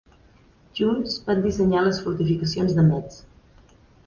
Junts, van dissenyar les fortificacions de Metz.